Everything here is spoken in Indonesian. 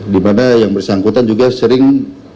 dimana yang bersangkutan juga sering